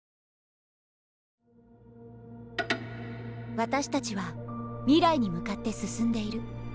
私たちは未来に向かって進んでいる。